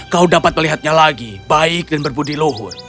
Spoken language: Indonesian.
kau dapat melihatnya lagi baik dan berbudiluhur